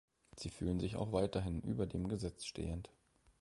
Sie fühlen sich auch weiterhin über dem Gesetz stehend.